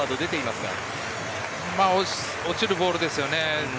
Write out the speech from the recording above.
落ちるボールですよね。